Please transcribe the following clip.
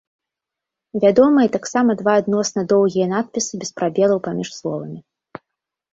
Вядомыя таксама два адносна доўгія надпісы без прабелаў паміж словамі.